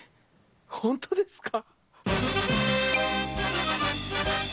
ホントですか？